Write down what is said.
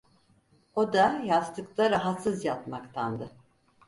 O da yastıkta rahatsız yatmaktandı.